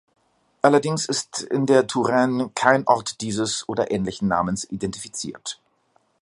Allerdings ist in der Touraine kein Ort dieses oder ähnlichen Namens identifiziert.